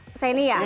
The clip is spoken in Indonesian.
saya ini ingin tahu